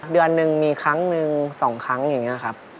เดือนหนึ่งมีครั้งหนึ่ง๒ครั้งอย่างนี้ครับ